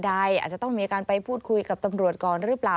อาจจะต้องมีการไปพูดคุยกับตำรวจก่อนหรือเปล่า